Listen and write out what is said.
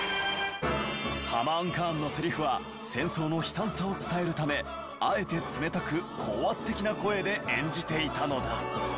ハマーン・カーンのセリフは戦争の悲惨さを伝えるためあえて冷たく高圧的な声で演じていたのだ。